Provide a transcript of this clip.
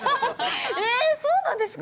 え、そうなんですか？